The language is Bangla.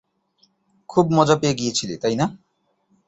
খুব মজা পেয়ে গিয়েছিলি, তাই না?